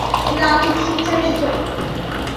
না, তুমি স্বেচ্ছায় এসেছ।